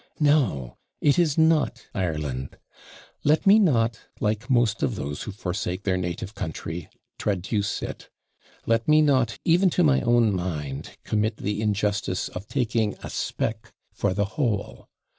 No, it is not Ireland. Let me not, like most of those who forsake their native country, traduce it. Let me not, even to my own mind, commit the injustice of taking a speck for the whole.